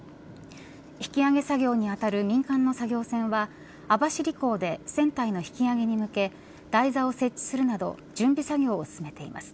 引き揚げ作業にあたる民間の作業船は網走港で船体の引き揚げに向け台座を設置するなど準備作業を進めています。